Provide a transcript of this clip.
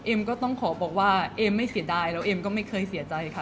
ก็ต้องขอบอกว่าเอมไม่เสียดายแล้วเอ็มก็ไม่เคยเสียใจค่ะ